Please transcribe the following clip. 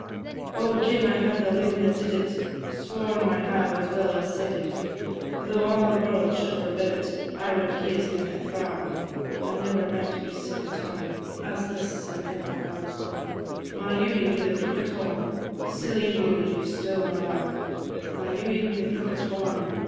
O! gin I had the loon that did it, Sworn I have as well as said it, Though a' the warld should forbid it, I wad gie his neck a thra': I never met wi' sic a turn As this sin' ever I was born, My Ewie, wi' the crookit horn, Silly Ewie, stown awa'; My Ewie wi' the crookit horn, &c.